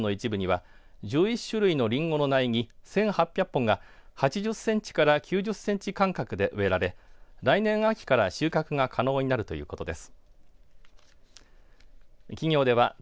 弘前市の小沢地区にあるモデル園の一部には１１種類のりんごの苗木、１８００本が８０センチから９０センチ間隔で植えられ来年秋から収穫が可能になるということです。